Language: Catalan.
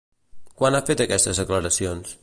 Quan ha fet aquestes declaracions?